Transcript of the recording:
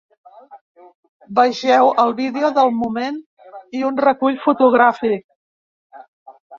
Vegeu el vídeo del moment i un recull fotogràfic.